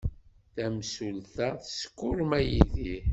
Tamsulta teskurma Yidir.